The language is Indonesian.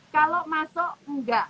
kalau masuk enggak